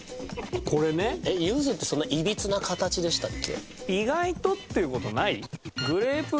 ゆずってそんないびつな形でしたっけ？